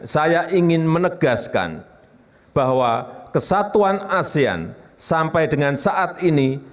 saya ingin menegaskan bahwa kesatuan asean sampai dengan saat ini